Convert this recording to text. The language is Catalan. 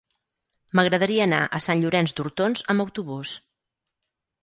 M'agradaria anar a Sant Llorenç d'Hortons amb autobús.